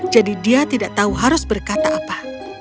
jadi dia tidak tahu harus berkata apa